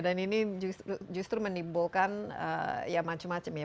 dan ini justru menimbulkan ya macem macem ya